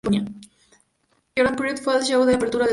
Jordan Pruitt fue el show de apertura del tour.